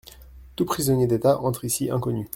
Tout prisonnier d'État entre ici inconnu.